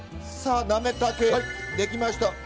さあなめたけできました。